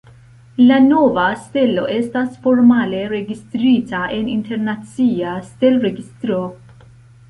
La nova stelo estas formale registrita en internacia stelregistro.